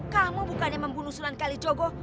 kamu bukan yang membunuh sunan kalijogo